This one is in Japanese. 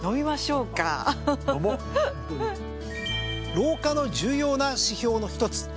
老化の重要な指標のひとつ